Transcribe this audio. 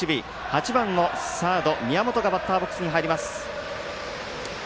８番のサード、宮本がバッターボックス。